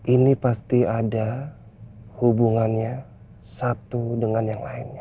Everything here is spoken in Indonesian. ini pasti ada hubungannya satu dengan yang lainnya